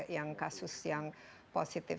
yang kasus yang positif